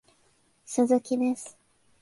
鈴木です